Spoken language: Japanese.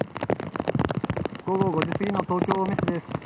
午後５時過ぎの東京・青梅市です。